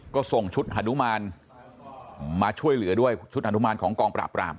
ก็ส่งชุดฮานุมานมาช่วยเหลือด้วยชุดอนุมานของกองปราบราม